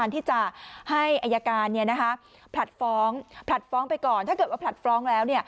ถ้าเกิดว่าผลัดฟ้องแล้ว